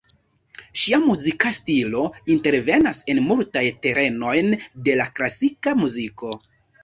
Ŝia muzika stilo intervenas en multajn terenojn de klasika muziko.